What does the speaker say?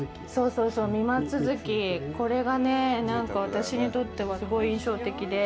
そうそう、三間続き、これがなんか私にとってはすごい印象的で。